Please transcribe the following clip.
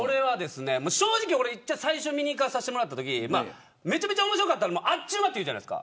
正直、最初見に行かせてもらったときにめちゃめちゃ面白かったらあっという間というじゃないですか。